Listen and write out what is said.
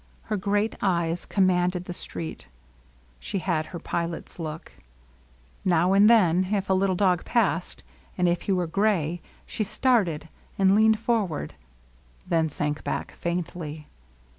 Her great eyes commanded the street. She had her pilot's look. Now and then, if a Utile dog passed, and if he were gray, she started and leaned forward, then sank back faintly.